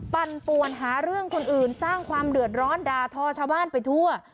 ปั่นปวนหาเรื่องคนอื่นสร้างความเดือดร้อนด่าทอชาวบ้านไปทั่ว